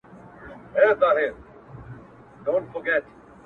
ستا خو د سونډو د خندا خبر په لپه كي وي!!